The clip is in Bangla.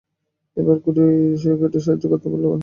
এইবার কেটি সহ্য করতে পারলে না।